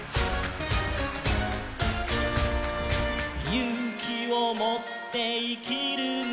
「ゆうきをもっていきるんだ」